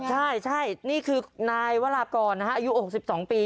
ใช่นี่คือนายวรากรอายุ๖๒ปี